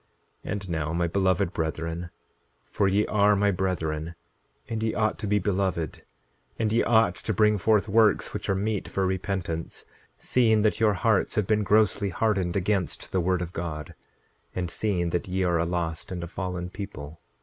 9:30 And now, my beloved brethren, for ye are my brethren, and ye ought to be beloved, and ye ought to bring forth works which are meet for repentance, seeing that your hearts have been grossly hardened against the word of God, and seeing that ye are a lost and a fallen people.